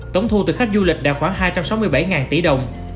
tổng thu từ khách du lịch đạt khoảng hai trăm sáu mươi bảy tỷ đồng